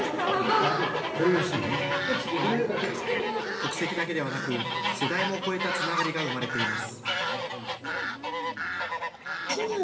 国籍だけではなく世代も超えたつながりが生まれています。